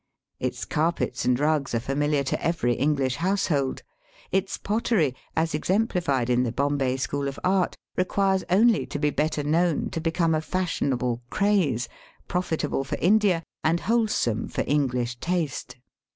Its carpets and rugs are familiar to every English household. Its pottery, as exemplified in the Bombay School of Art, requires only to be better known to become a fashionable craze, profitable for India and wholesome for English taste.